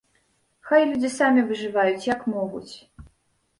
Хай людзі самі выжываюць, як могуць.